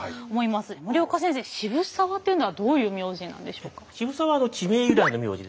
森岡先生渋沢というのはどういう名字なんでしょうか？